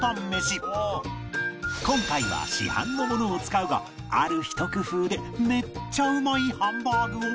今回は市販のものを使うがあるひと工夫でめっちゃうまいハンバーグを！